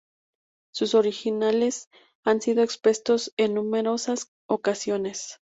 Sus originales han sido expuestos en numerosas ocasiones.